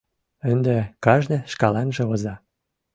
Ынде кажне шкаланже оза.